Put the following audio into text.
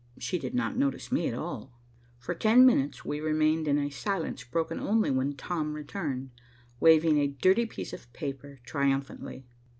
She did not notice me at all. For ten minutes we remained in a silence broken only when Tom returned, waving a dirty piece of paper triumphantly.